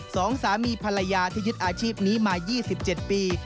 สองสามีภรรยาที่ยึดอาชีพนี้มา๒๗ปี